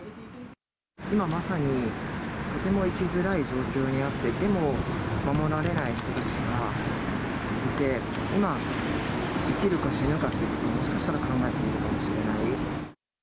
今まさに、とても生きづらい状況にあって、でも守られない人たちがいて、今、生きるか死ぬかって、もしかしたら考えているかもしれない。